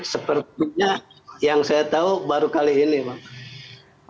sepertinya yang saya tahu baru kali ini pak